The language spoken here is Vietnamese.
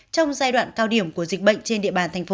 trong giai đoạn cao điểm của dịch bệnh trên địa bàn thành phố